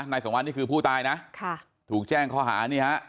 นายสงวัลนี่คือผู้ตายนะถูกแจ้งข้อหานี่ฮะ